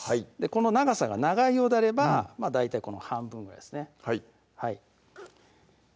この長さが長いようであれば大体この半分ぐらいですね